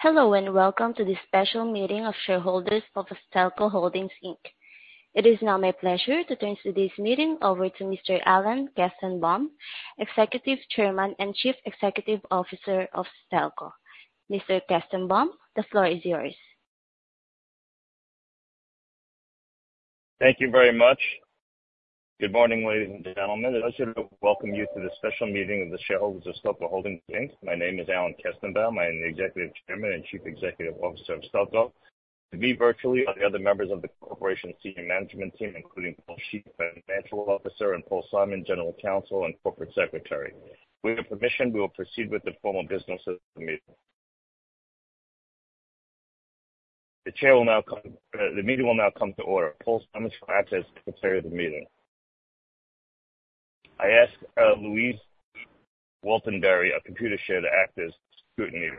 Hello, and welcome to this special meeting of shareholders of Stelco Holdings Inc. It is now my pleasure to turn today's meeting over to Mr. Alan Kestenbaum, Executive Chairman and Chief Executive Officer of Stelco. Mr. Kestenbaum, the floor is yours. Thank you very much. Good morning, ladies and gentlemen. I'd like to welcome you to the special meeting of the shareholders of Stelco Holdings Inc. My name is Alan Kestenbaum. I am the Executive Chairman and Chief Executive Officer of Stelco. With me virtually are the other members of the corporation's senior management team, including Paul Scherzer, Chief Financial Officer, and Paul Simon, General Counsel and Corporate Secretary. With your permission, we will proceed with the formal businesses of the meeting. The meeting will now come to order. Paul Simon is secretary of the meeting. I ask Louise Waltenbury of Computershare to act as scrutineer.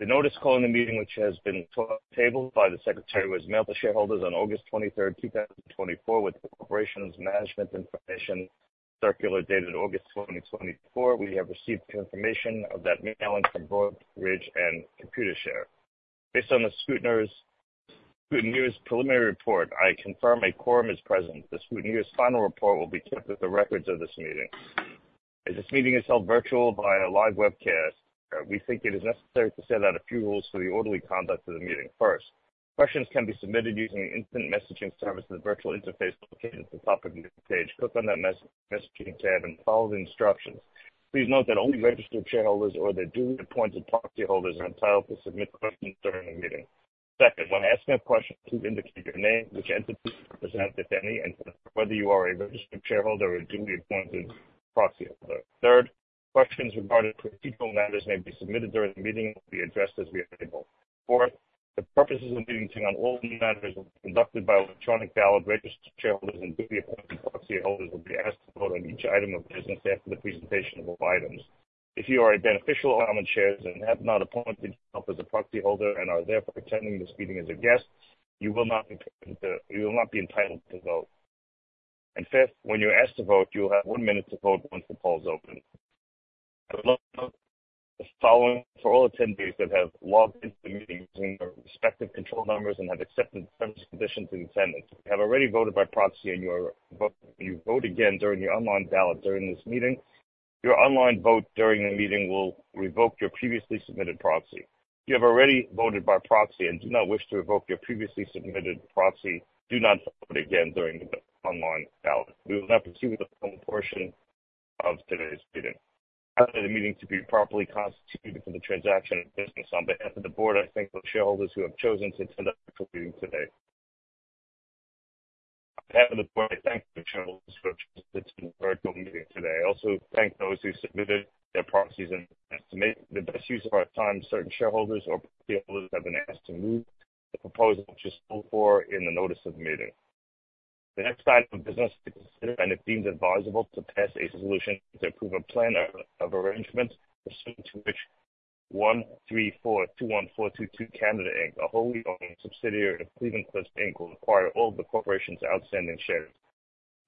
The notice calling the meeting, which has been tabled by the secretary, was mailed to shareholders on August 23rd, 2024, with the corporation's management information circular dated August 20th, 2024. We have received confirmation of that mailing from Broadridge and Computershare. Based on the scrutineer's preliminary report, I confirm a quorum is present. The scrutineer's final report will be kept with the records of this meeting. As this meeting is held virtual via live webcast, we think it is necessary to set out a few rules for the orderly conduct of the meeting. First, questions can be submitted using instant messaging service in the virtual interface located at the top of the page. Click on that messaging tab and follow the instructions. Please note that only registered shareholders or their duly appointed proxy holders are entitled to submit questions during the meeting. Second, when asking a question, please indicate your name, which entity you represent, if any, and whether you are a registered shareholder or a duly appointed proxy holder. Third, questions regarding procedural matters may be submitted during the meeting and will be addressed as we are able. Fourth, the purposes of meeting today on all new matters will be conducted by electronic ballot. Registered shareholders and duly appointed proxy holders will be asked to vote on each item of business after the presentation of all items. If you are a beneficial owner of common shares and have not appointed yourself as a proxy holder and are therefore attending this meeting as a guest, you will not be entitled to vote. Fifth, when you're asked to vote, you'll have one minute to vote once the poll is open. I would like to note the following for all attendees that have logged into the meeting using their respective control numbers and have accepted the terms and conditions in attendance. If you have already voted by proxy and you vote again during the online ballot during this meeting, your online vote during the meeting will revoke your previously submitted proxy. If you have already voted by proxy and do not wish to revoke your previously submitted proxy, do not vote again during the online ballot. We will now pursue the formal portion of today's meeting. I now declare the meeting to be properly constituted for the transaction of business. On behalf of the board, I thank those shareholders who have chosen to attend our virtual meeting today. On behalf of the board, I thank the shareholders for attending the virtual meeting today. I also thank those who submitted their proxies. To make the best use of our time, certain shareholders or proxy holders have been asked to move the proposals which are put forward in the notice of the meeting. The next item of business to be considered, which it deems advisable to pass a resolution to approve a plan of arrangement pursuant to which 13421422 Canada Inc., a wholly owned subsidiary of Cleveland-Cliffs Inc., will acquire all of the corporation's outstanding shares.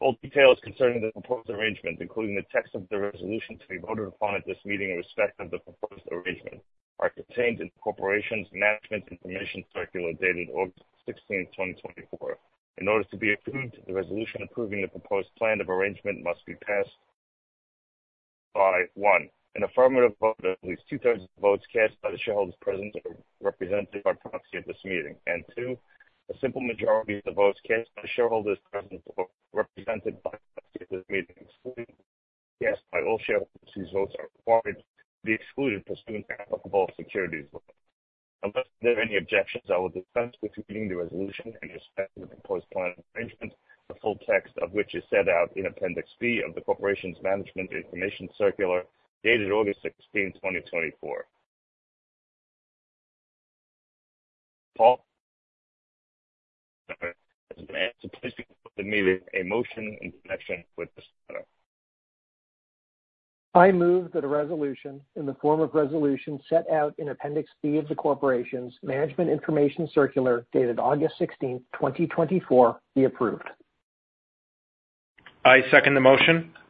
All details concerning the proposed arrangement, including the text of the resolution to be voted upon at this meeting in respect of the proposed arrangement, are contained in the corporation's Management Information Circular dated August 16th, 2024. In order to be approved, the resolution approving the proposed plan of arrangement must be passed by, one, an affirmative vote of at least two-thirds of the votes cast by the shareholders present or represented by proxy at this meeting. two, a simple majority of the votes cast by shareholders present or represented by proxy at this meeting, excluding votes cast by all shareholders whose votes are prohibited or to be excluded pursuant to applicable securities law. Unless there are any objections, I will put to the meeting the resolution in respect of the proposed plan of arrangement, the full text of which is set out in Appendix B of the corporation's management information circular dated August 16th, 2024. Paul, I ask you please to put to the meeting a motion in connection with this item. I move that a resolution in the form of resolution set out in Appendix B of the corporation's Management Information Circular dated August 16th, 2024, be approved. I second the motion.